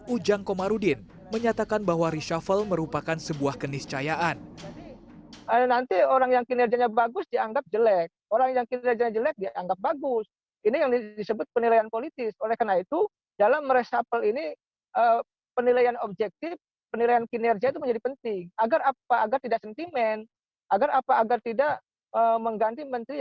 ujang komarudin menyatakan bahwa reshafel merupakan sebuah keniscayaan